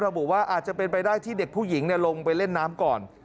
ระบุว่าอาจจะเป็นไปได้ที่เด็กผู้หญิงลงไปเล่นน้ำก่อน